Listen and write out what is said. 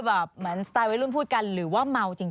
แบบเหมือนสไตล์วัยรุ่นพูดกันหรือว่าเมาจริง